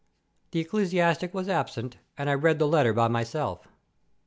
"The ecclesiastic was absent, and I read the letter by myself.